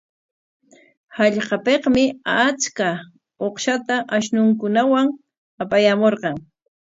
Hallqapikmi achka uqshata ashnunkunawan apayaamurqan.